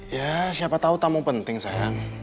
ya siapa tahu tamu penting sayang